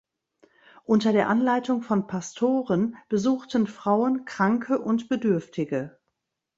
Unter der Anleitung von Pastoren besuchten Frauen Kranke und Bedürftige.